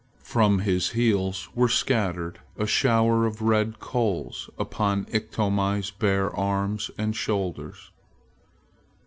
From his heels were scattered a shower of red coals upon Iktomi's bare arms and shoulders.